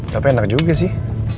tapi enak juga sih